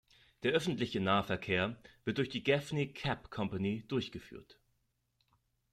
Der öffentliche Nahverkehr wird durch die "Gaffney Cab Company" durchgeführt.